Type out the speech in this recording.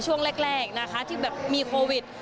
ช่วงแรกนะคะที่แบบมีโควิด